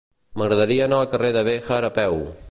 M'agradaria anar al carrer de Béjar a peu.